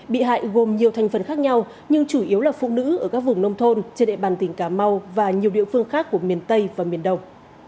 bị hại gồm nhiều thành phần khác nhau nhưng chủ yếu là phụ nữ ở các vùng nông thôn trên địa bàn tỉnh cà mau và nhiều địa phương khác của miền tây và miền đông